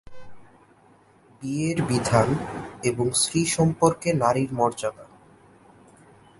বিয়ের বিধান, এবং স্ত্রী হিসেবে নারীর মর্যাদা।